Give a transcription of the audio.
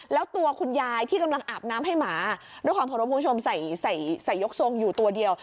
แล้วตัวคุณยายที่กำลังอาบน้ำให้หมาด้วยความเคารพคุณผู้ชมใส่ใส่ยกทรงอยู่ตัวเดียว